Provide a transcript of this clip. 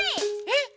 えっ！